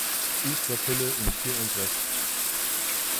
U-Flottille in Kiel und Brest.